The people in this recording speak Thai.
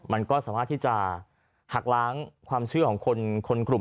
มันก็สามารถที่จะหักล้างความเชื่อของคนกลุ่ม